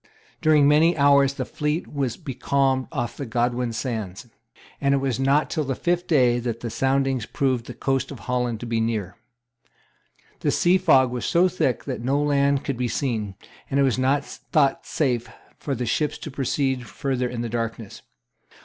During many hours the fleet was becalmed off the Godwin Sands; and it was not till the fifth day that the soundings proved the coast of Holland to be near. The sea fog was so thick that no land could be seen; and it was not thought safe for the ships to proceed further in the darkness.